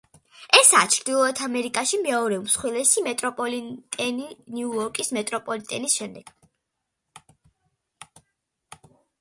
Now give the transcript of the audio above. ესაა ჩრდილოეთ ამერიკაში მეორე უმსხვილესი მეტროპოლიტენი ნიუ-იორკის მეტროპოლიტენის შემდეგ.